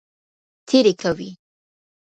تېری کوي.